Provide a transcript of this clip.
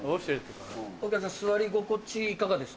お客さん座り心地いかがですか？